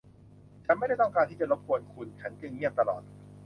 ฉันไม่ได้ต้องการที่จะรบกวนคุณ ฉันจึงเงียบตลอด